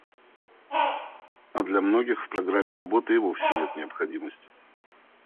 А для многих в программе работы и вовсе нет необходимости.